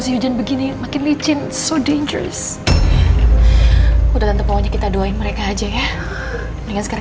tante khawatir sekali sama alsa